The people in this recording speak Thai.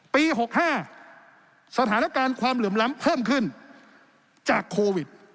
ปี๖๕สถานการณ์ความเหลื่อมล้ำเพิ่มขึ้นจากโควิด